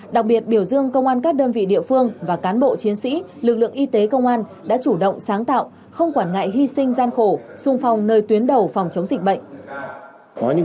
đặc biệt biểu dương công an các đơn vị địa phương và cán bộ chiến sĩ lực lượng y tế công an đã chủ động sáng tạo không quản ngại hy sinh gian khổ xung phong nơi tuyến đầu phòng chống dịch bệnh